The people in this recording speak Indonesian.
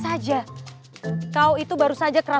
saya bisaelinekmu dari tuba